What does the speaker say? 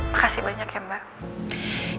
makasih banyak ya mbak